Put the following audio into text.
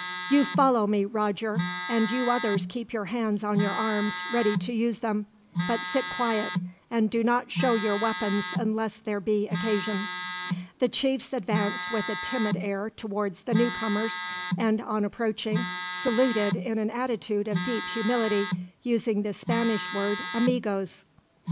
"You follow me, Roger; and you others keep your hands on your arms, ready to use them. But sit quiet, and do not show your weapons unless there be occasion." The chiefs advanced with a timid air towards the newcomers; and, on approaching, saluted in an attitude of deep humility, using the Spanish word Amigos.